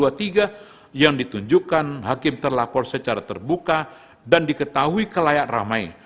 garis miring dua ribu dua puluh tiga yang ditunjukkan hakim terlapor secara terbuka dan diketahui kelayak ramai